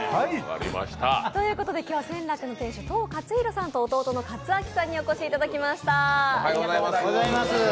今日は仙楽の店主、登勝広さんさんと弟の勝明さんにお越しいただきました。